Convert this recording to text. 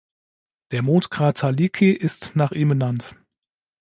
Der Mondkrater Leakey ist nach ihm benannt.